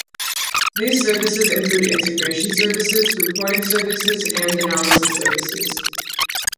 These services include Integration Services, Reporting Services and Analysis Services.